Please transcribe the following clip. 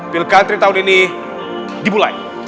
pilkantri tahun ini dibulai